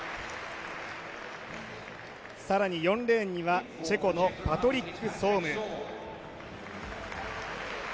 更に４レーンにはチェコのパトリック・ソーム。